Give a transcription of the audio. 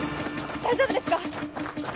大丈夫ですか？